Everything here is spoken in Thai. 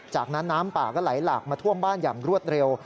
จากนั้นน้ำป่าก็ไหลหลากมาท่วมบ้านอย่างรวดเร็ว